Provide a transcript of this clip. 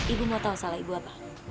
ibu mau tahu salah ibu apa